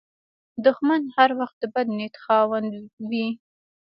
دښمن هر وخت د بد نیت خاوند وي